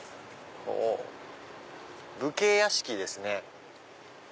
武家屋敷ですね。